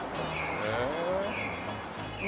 へえ。